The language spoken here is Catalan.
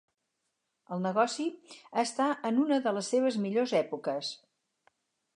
El negoci està en una de les seves millors èpoques.